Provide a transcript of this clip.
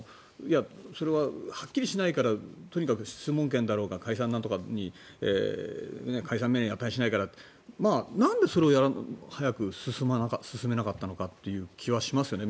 それがはっきりしないからとにかく質問権だろうが解散なんとかに値しないからってなんでそれを早く進めなかったのかっていう気はしますよね。